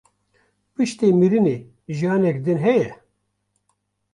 Piştî mirinê jiyanek din heye?